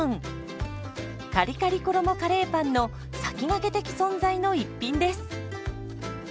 カリカリ衣カレーパンの先駆け的存在の一品です。